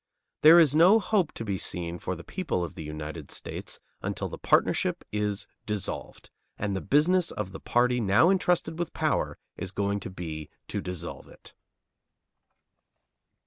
There is no hope to be seen for the people of the United States until the partnership is dissolved. And the business of the party now entrusted with power is going to be to dissolve it.